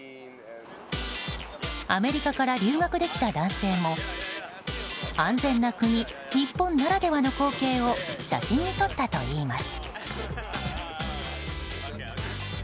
アメリカから留学で来た男性も安全な国、日本ならではの光景を写真に撮ったといいます。